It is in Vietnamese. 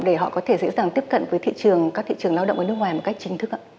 để họ có thể dễ dàng tiếp cận với thị trường các thị trường lao động ở nước ngoài một cách chính thức ạ